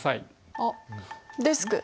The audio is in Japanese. あっデスク。